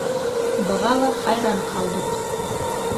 Быға ла хайран ҡалдыҡ.